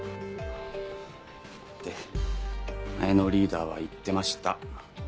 って前のリーダーは言ってました。